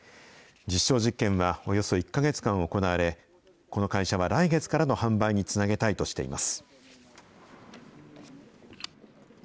実証実験はおよそ１か月間行われ、この会社は来月からの販売につなげたいとしています。